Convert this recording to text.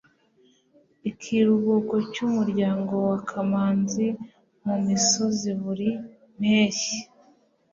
ikiruhuko cyumuryango wa kamanzi mumisozi buri mpeshyi